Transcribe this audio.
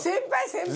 先輩！